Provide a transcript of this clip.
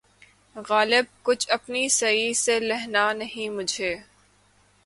غالبؔ! کچھ اپنی سعی سے لہنا نہیں مجھے